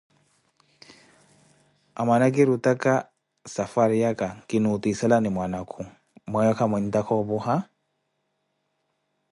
Amana kirutaka safwariyaka, kinuutiselani mwanakhu, mweyo kamweepu opuha?